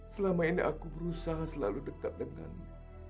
selama ini aku berusaha selalu dekat denganmu